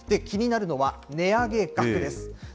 気になるのは、値上げ額です。